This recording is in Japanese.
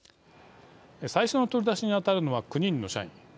最初の取り出しにあたるのは９人の社員。